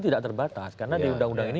tidak terbatas karena di undang undang ini